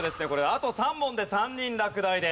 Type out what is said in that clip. あと３問で３人落第です。